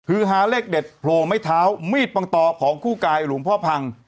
คือหาเลขเด็ดโผล่ไม้เท้ามีดปังตอของคู่กายหลวงพ่อพัง